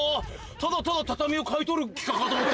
ただただ、畳を買い取る企画かと思った。